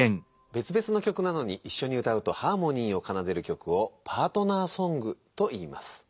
べつべつの曲なのにいっしょに歌うとハーモニーをかなでる曲をパートナーソングといいます。